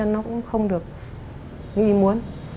nó không được nghi muốn